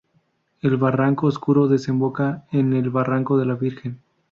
El Barranco Oscuro desemboca en el Barranco de la Virgen.